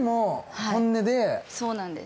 そうなんです。